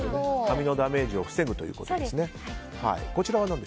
髪のダメージを防ぐということですね。